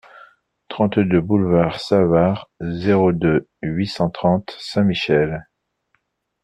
trente-deux boulevard Savart, zéro deux, huit cent trente Saint-Michel